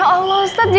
pak makasih pak ya